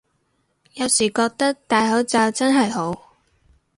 有時覺得戴口罩真係好